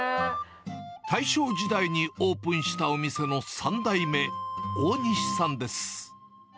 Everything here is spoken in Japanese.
大正時代にオープンしたお店の３代目、大西さんです。